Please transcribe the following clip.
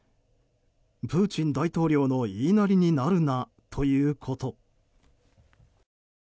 プーチン大統領の言いなりになるなということ。